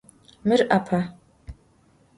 Mır 'ape.